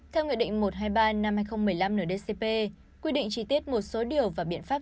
theo nguyện định một trăm hai mươi ba năm hai nghìn một mươi năm nửa dcp quy định chi tiết một số điều và biện pháp